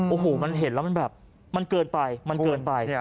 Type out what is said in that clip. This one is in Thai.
โอ้โหมันเห็นแล้วมันแบบมันเกินไปมันเกินไป